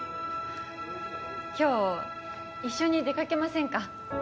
今日一緒に出かけませんか？